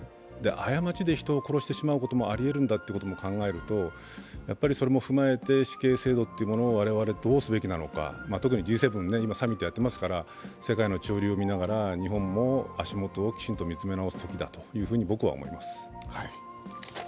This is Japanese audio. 過ちで人を殺してしまうことがあることを考えるとやはりそれも踏まえて死刑制度というものを我々どうするべきなのか、特にＧ７、今、サミットやってますから世界の潮流を見ながら日本も足元をきちんとする時期だと思います。